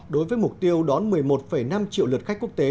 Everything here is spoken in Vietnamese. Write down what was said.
đối với mục tiêu đón một mươi một năm triệu lượt khách quốc tế